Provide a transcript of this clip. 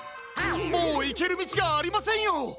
もういけるみちがありませんよ！